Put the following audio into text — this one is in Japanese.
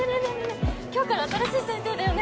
今日から新しい先生だよね